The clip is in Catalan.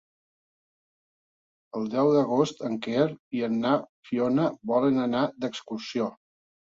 El deu d'agost en Quer i na Fiona volen anar d'excursió.